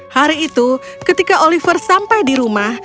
hari itu ketika oliver sampai di rumah